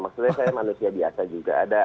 maksudnya saya manusia biasa juga